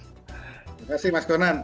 terima kasih mas donan